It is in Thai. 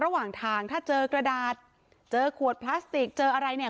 ระหว่างทางถ้าเจอกระดาษเจอขวดพลาสติกเจออะไรเนี่ย